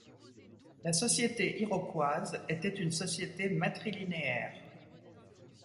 La société iroquoise était une société matrilinéaire.